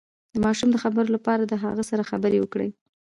د ماشوم د خبرو لپاره له هغه سره خبرې وکړئ